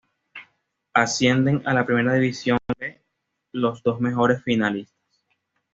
Ascienden a la Primera División B los dos mejores o finalistas.